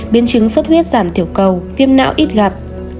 biến chứng suốt huyết giảm tiểu cầu viêm não ít gặp